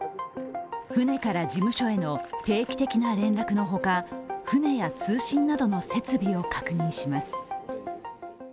船から事務所への定期的な連絡のほか、船や通信などの設備を確認します。